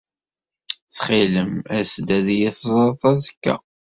Ttxil-m, as-d ad iyi-teẓreḍ azekka.